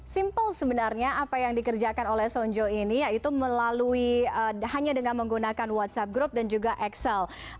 simpel sebenarnya apa yang dikerjakan oleh sonjo ini yaitu melalui hanya dengan menggunakan whatsapp group dan juga excel